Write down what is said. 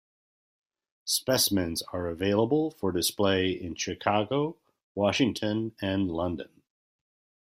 Specimens are available for display in Chicago, Washington, and London.